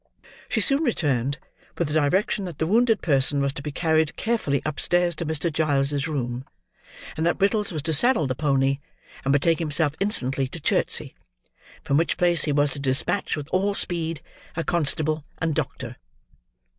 She soon returned, with the direction that the wounded person was to be carried, carefully, upstairs to Mr. Giles's room; and that Brittles was to saddle the pony and betake himself instantly to Chertsey: from which place, he was to despatch, with all speed, a constable and doctor.